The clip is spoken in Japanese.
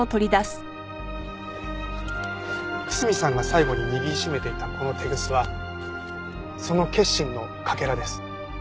楠見さんが最後に握り締めていたこのテグスはその決心のかけらです。